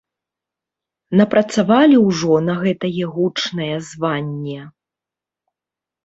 Напрацавалі ўжо на гэтае гучнае званне?